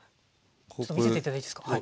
ちょっと見せて頂いていいですか？